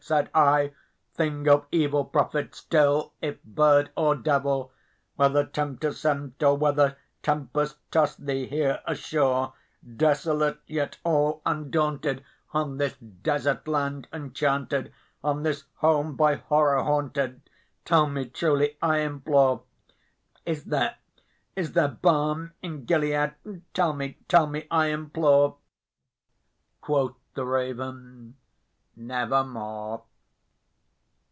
said I, "thing of evil! prophet still, if bird or devil! Whether Tempter sent, or whether tempest tossed thee here ashore, Desolate yet all undaunted, on this desert land enchanted On this home by horror haunted tell me truly, I implore Is there is there balm in Gilead? tell me tell me, I implore!" Quoth the Raven, "Nevermore."